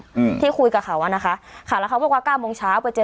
อืมที่คุยกับเขาอ่ะนะคะค่ะแล้วเขาบอกว่าเก้าโมงเช้าไปเจอ